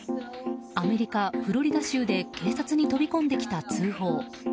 アメリカ・フロリダ州で警察に飛び込んできた通報。